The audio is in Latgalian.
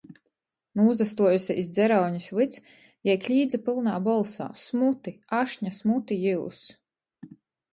Nūsastuojuse iz dzeraunis vyds, jei klīdze pylnā bolsā: "Smuti! Ašņa smuti jius!"